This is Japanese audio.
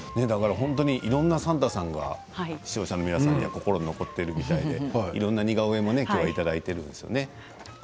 いろんな算太さんが視聴者の皆さんの心に残っているみたいで、いろんな似顔絵もいただいています。